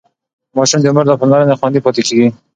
ماشوم د مور له پاملرنې خوندي پاتې کېږي.